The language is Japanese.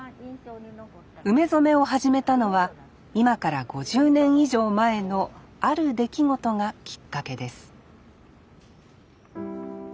梅染めを始めたのは今から５０年以上前のある出来事がきっかけです